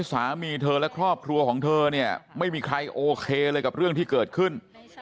สามีเธอและครอบครัวของเธอเนี่ยไม่มีใครโอเคเลยกับเรื่องที่เกิดขึ้น